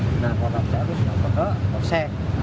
saya harus melaporkan ke kose